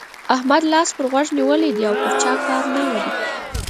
احمد لاس پر غوږو نيولی دی او پر چا کار نه لري.